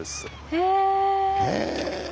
へえ。